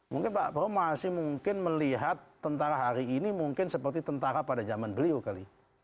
mungkin pak prabowo masih mungkin melihat tentara hari ini mungkin seperti tentara pada zaman beliau kali